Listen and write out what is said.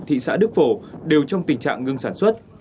thị xã đức phổ đều trong tình trạng ngưng sản xuất